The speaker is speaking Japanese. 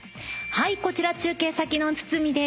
こちら中継先の堤です。